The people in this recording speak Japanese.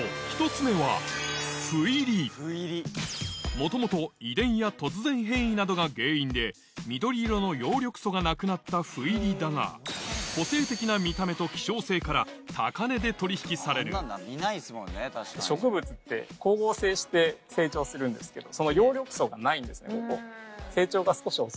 １つ目は元々遺伝や突然変異などが原因で緑色の葉緑素がなくなった斑入りだが個性的な見た目と希少性から高値で取引される植物って光合成して成長するんですけど。